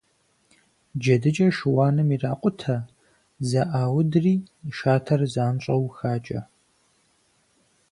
Джэдыкӏэ шыуаным иракъутэ, зэӏаудри шатэр занщӏэу хакӏэ.